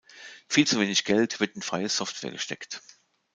Viel zu wenig Geld wird in freie Software gesteckt.